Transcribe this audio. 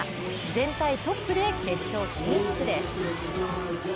全体トップで決勝進出です。